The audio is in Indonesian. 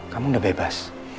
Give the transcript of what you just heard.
kamu udah bebas